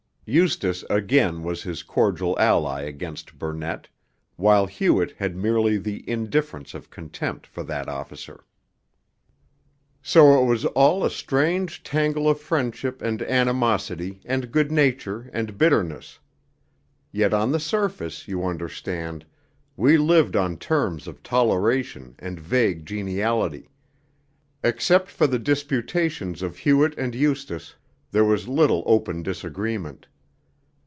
Eustace again was his cordial ally against Burnett, while Hewett had merely the indifference of contempt for that officer. So it was all a strange tangle of friendship and animosity and good nature and bitterness. Yet on the surface, you understand, we lived on terms of toleration and vague geniality; except for the disputations of Hewett and Eustace there was little open disagreement.